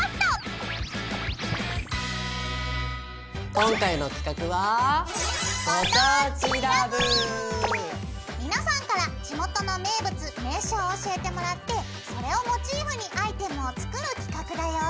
今回の企画は皆さんから地元の名物名所を教えてもらってそれをモチーフにアイテムを作る企画だよ！